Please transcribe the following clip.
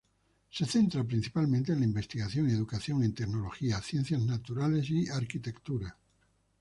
Se centra principalmente en la investigación y educación en tecnología, ciencias naturales, y arquitectura.